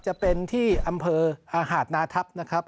จะเป็นที่อำเภอหาดนาทัพนะครับ